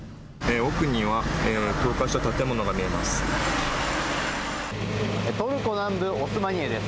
奥には倒壊した建物が見えます。